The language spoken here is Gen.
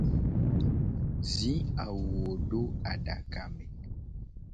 Zi awuwo do adaka me.